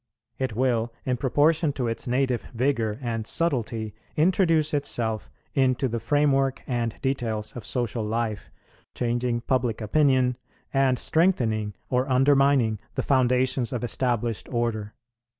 It will, in proportion to its native vigour and subtlety, introduce itself into the framework and details of social life, changing public opinion, and strengthening or undermining the foundations of established order.